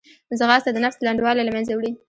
ځغاسته د نفس لنډوالی له منځه وړي